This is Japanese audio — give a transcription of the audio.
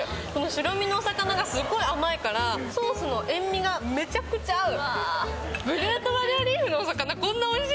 白身のお魚がすごい甘いからソースの塩みがめちゃくちゃ合う。